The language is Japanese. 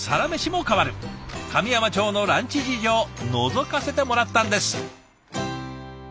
神山町のランチ事情のぞかせてもらったんです。